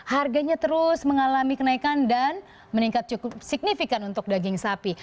harganya terus mengalami kenaikan dan meningkat cukup signifikan untuk daging sapi